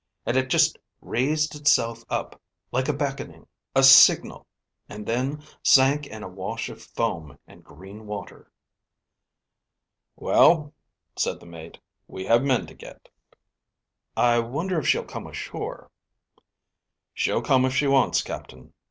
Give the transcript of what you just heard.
And it just raised itself up, like a beckoning, a signal, and then sank in a wash of foam and green water." "Well," said the mate, "we have men to get." "I wonder if she'll come ashore?" "She'll come if she wants, Captain.